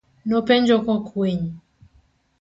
Nopenjo kokwiny.